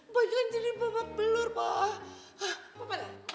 boy jalan jalan jadi bomak belur pak